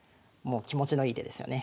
気持ちのいい手ですよね。